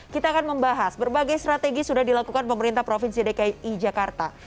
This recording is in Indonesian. kita akan membahas berbagai strategi sudah dilakukan pemerintah provinsi dki jakarta